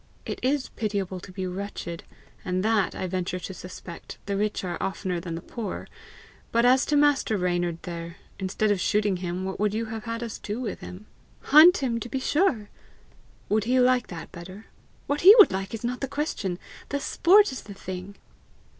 It is pitiable to be wretched and that, I venture to suspect, the rich are oftener than the poor. But as to master Reynard there instead of shooting him, what would you have had us do with him?" "Hunt him, to be sure." "Would he like that better?" "What he would like is not the question. The sport is the thing."